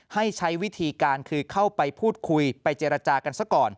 ให้ใช้วิธีการคือเข้าไปพูดคุยไปเจรจากันซะก่อน